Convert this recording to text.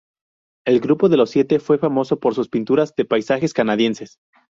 El Grupo de los Siete fue famoso por sus pinturas de paisajes canadienses.